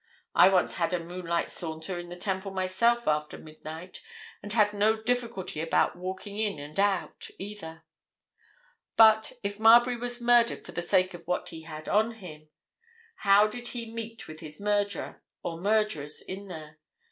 I once had a moonlight saunter in the Temple myself after midnight, and had no difficulty about walking in and out, either. But—if Marbury was murdered for the sake of what he had on him—how did he meet with his murderer or murderers in there?